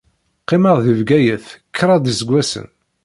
Qqimeɣ di Bgayet kraḍ iseggasen.